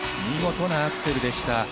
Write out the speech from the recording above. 見事なアクセルでした。